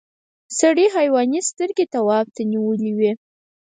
سړي حیرانې سترګې تواب ته نیولې.